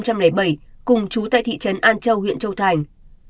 cùng trú tại thị trấn an châu huyện châu thành